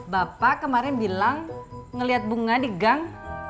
bapak kemarin bilang ngelihat bunga di gang